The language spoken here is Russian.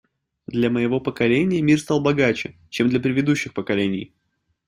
Для моего поколения мир стал богаче, чем для предыдущих поколений.